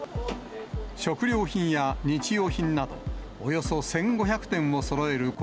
食料品や日用品など、およそ１５００点をそろえる